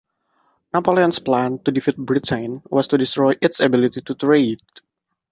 Napoleon's plan to defeat Britain was to destroy its ability to trade.